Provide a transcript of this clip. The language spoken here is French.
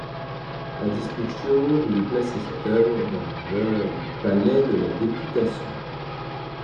La Diputació voulut placer cette œuvre dans le du palais de la Députation.